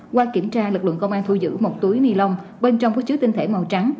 qua kiểm tra lực lượng công an thu giữ một túi ni lông bên trong có chứa tinh thể màu trắng